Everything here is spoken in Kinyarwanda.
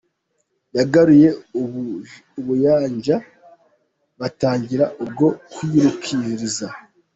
yagaruye ubuyanja” batangira ubwo kurikuririza